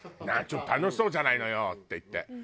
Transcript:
「何ちょっと楽しそうじゃないのよ」って言って。